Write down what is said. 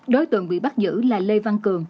đối tượng bị bắt giữ là lê văn cường